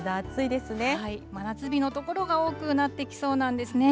真夏日の所が多くなってきそうなんですね。